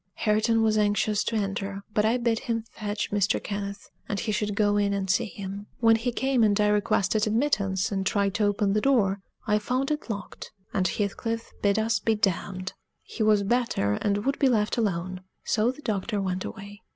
Hareton was anxious to enter, but I bid him fetch Mr. Kenneth, and he should go in and see him. When he came, and I requested admittance and tried to open the door, I found it locked; and Heathcliff bid us be damned. He was better, and would be left alone; so the doctor went away.